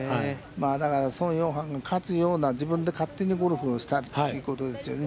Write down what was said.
だから、宋永漢が勝つような、自分で勝手にゴルフをしたということですよね。